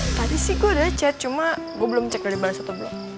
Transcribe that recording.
tadi sih gue udah chat cuma gue belum cek dari balas atau belum